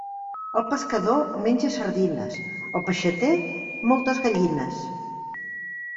El pescador menja sardines; el peixater, moltes gallines.